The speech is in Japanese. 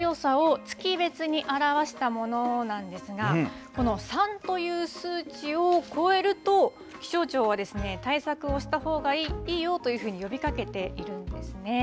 東京の去年の紫外線の強さを月別に表したものなんですが、この３という数値を超えると、気象庁は対策をしたほうがいいよというふうに呼びかけているんですね。